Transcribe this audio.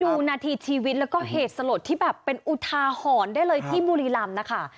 ดูนาทีชีวิตแล้วก็เหตุสลดที่แบบเป็นอุทาหรณ์ได้เลยที่บุรีรำนะคะ